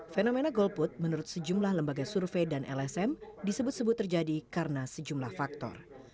fenomena golput menurut sejumlah lembaga survei dan lsm disebut sebut terjadi karena sejumlah faktor